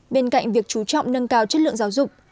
bên cạnh việc chú trọng nâng cao chất lượng giáo dục